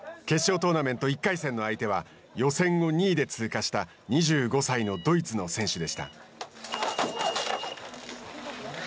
決勝トーナメント１回戦の相手は予選を２位で通過した２５歳のドイツの選手でした。